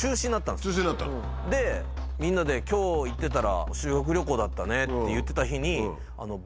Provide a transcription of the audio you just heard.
でみんなで「今日行ってたら修学旅行だったね」って言ってた日に。